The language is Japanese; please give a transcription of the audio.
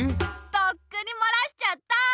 とっくにもらしちゃった！